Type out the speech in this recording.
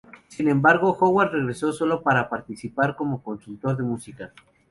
Sin embargo, Howard regresó solo para participar como consultor de música.